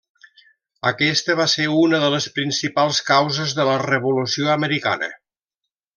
Aquesta va ser una de les principals causes de la Revolució Americana.